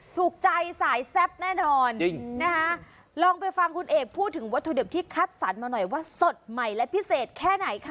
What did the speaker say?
ถูกใจสายแซ่บแน่นอนจริงนะคะลองไปฟังคุณเอกพูดถึงวัตถุดิบที่คัดสรรมาหน่อยว่าสดใหม่และพิเศษแค่ไหนคะ